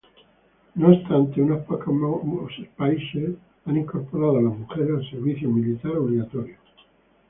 No obstante, unos pocos países han incorporado a las mujeres al servicio militar obligatorio.